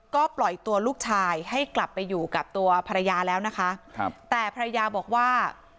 ก็ปล่อยตัวลูกชายให้กลับไปอยู่กับตัวภรรยาแล้วนะคะครับแต่ภรรยาบอกว่า